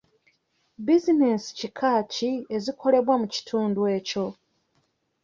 Bizinensi kika ki ezikolebwa mu kitundu ekyo?